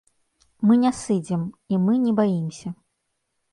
Мы не сыдзем, і мы не баімся.